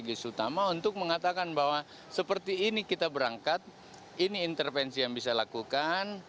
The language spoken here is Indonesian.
jadi ini adalah strategis utama untuk mengatakan bahwa seperti ini kita berangkat ini intervensi yang bisa dilakukan